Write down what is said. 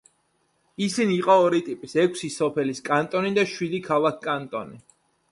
ისინი იყო ორი ტიპის: ექვსი სოფელის კანტონი და შვიდი ქალაქ კანტონი.